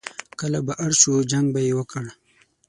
کله به اړ شو، جنګ به یې وکړ.